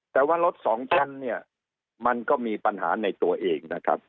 แต่ว่ารถสองชั้นเนี่ยมันก็มีปัญหาในตัวเองนะครับ